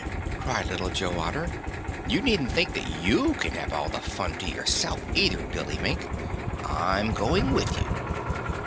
cried Little Joe Otter. "You needn't think that you can have all the fun to yourself either, Billy Mink. I'm going with you."